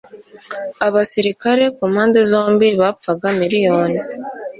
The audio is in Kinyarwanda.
abasirikare kumpande zombi bapfaga miriyoni